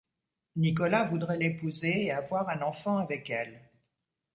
Nicolas voudrait l'épouser et avoir un enfant avec elle.